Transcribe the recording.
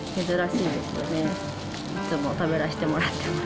いつも食べさせてもらってます。